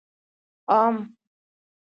🥭 ام